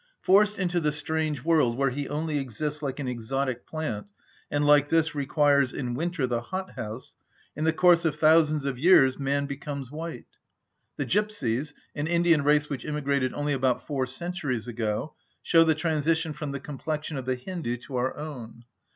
Forced into the strange world, where he only exists like an exotic plant, and like this requires in winter the hothouse, in the course of thousands of years man became white. The gipsies, an Indian race which immigrated only about four centuries ago, show the transition from the complexion of the Hindu to our own.